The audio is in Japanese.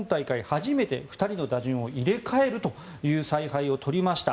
初めて２人の打順を入れ替える采配を取りました。